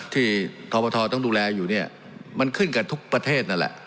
ที่ทบทต้องดูแลอยู่เนี่ยมันขึ้นกับทุกประเทศนั่นแหละ